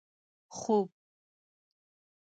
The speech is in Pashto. خوب